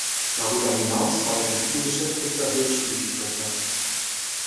Darüber hinaus war er ein viel beschäftigter Hörspielsprecher.